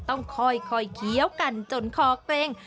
ต้องค่อยเคี้ยวกันจนคอเกรง